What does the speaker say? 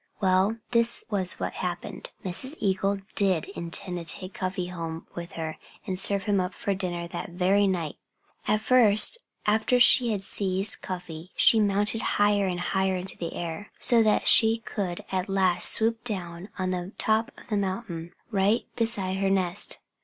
Well this was what happened. Mrs. Eagle did intend to take Cuffy home with her and serve him up for dinner that very night At first, after she had seized Cuffy, she mounted higher and higher into the air, so that she could at last swoop down on the top of the mountain, right beside her nest.